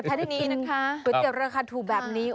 แต่ถ้าได้กินก๋วยเตี๋ยวราคาถูกแบบนี้